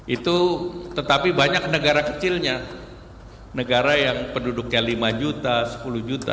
itu tetapi banyak negara kecilnya negara yang penduduknya lima juta sepuluh juta